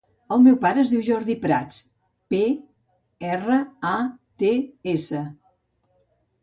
El meu pare es diu Jordi Prats: pe, erra, a, te, essa.